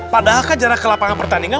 padahal kan jarak ke lapangan pertandingan